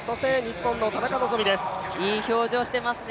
いい表情をしていますね。